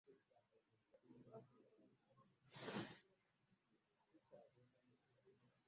Bwe yabanga anaatambula ne bba nga bamala kuyomba okufuluma enju.